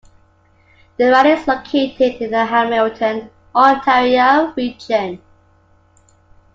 The riding is located in the Hamilton, Ontario region.